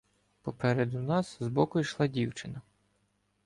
Попереду нас збоку йшла дівчина.